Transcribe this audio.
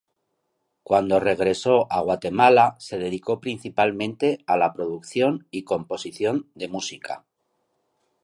Cuando regresó a Guatemala se dedicó principalmente a la producción y composición de música.